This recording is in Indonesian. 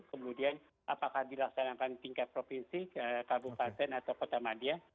kemudian apakah dilaksanakan tingkat provinsi kabupaten atau kota madia